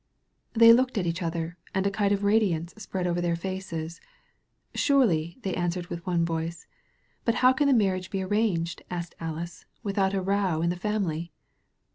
They looked at each other and a kind of radi ance spread over their faces. "Surely,*' they an swered with one voice. "But how can the marriage be arranged," asked Alice, "without a row in the family?"